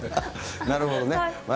なるほどね。